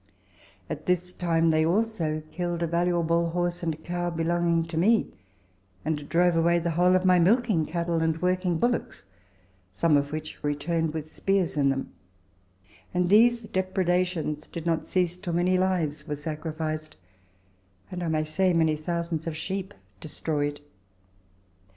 At this time they also killed a valuable horse and cow belonging to me, and drove away the whole of my milking cattle and working bullocks, some of which returned with spears in them ; and these depredations did not cease till many lives were sacrificed, and, I may say, many thousands of sheep destroyed.